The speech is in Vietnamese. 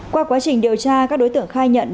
qua quá trình điều tra các đối tượng khai nhận